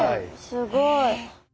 すごい。